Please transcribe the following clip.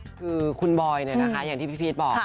คือคุณบอยเนี่ยนะคะอย่างที่พี่พีชบอก